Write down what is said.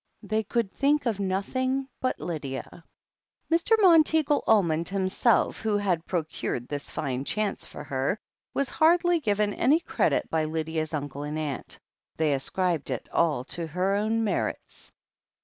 They could think of nothing but Lydia. THE HEEL OF ACHILLES 97 Mr. Monteagle Almond himself, who had procured this fine chance for her, was hardly given any credit by Lydia's uncle and aunt They ascribed it all to her own merits.